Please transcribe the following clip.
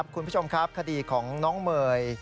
คุณผู้ชมครับคดีของน้องเมย์